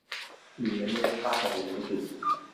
ดีนะเนี่ย ภาคเรายังไม่ติด